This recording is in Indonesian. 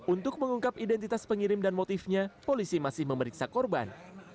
untuk mengungkap identitas pengirim dan motifnya polisi masih memeriksa korban